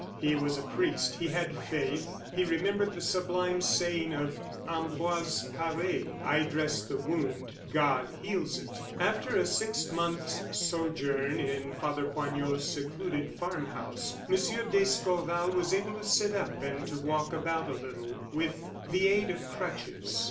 He was a priest; he had faith. He remembered the sublime saying of Ambroise Pare: "I dress the wound: God heals it." After a six months' sojourn in Father Poignot's secluded farm house, M. d'Escorval was able to sit up and to walk about a little, with the aid of crutches.